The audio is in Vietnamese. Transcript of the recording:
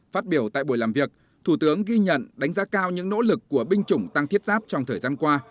phát biểu tại buổi làm việc thủ tướng ghi nhận đánh giá cao những nỗ lực của binh chủng tăng thiết giáp trong thời gian qua